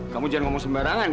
kamu jangan ngomong sembarangan